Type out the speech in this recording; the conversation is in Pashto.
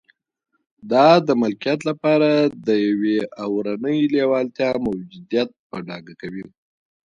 دا د ملکیت لپاره د یوې اورنۍ لېوالتیا موجودیت په ډاګه کوي